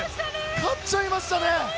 勝っちゃいましたね。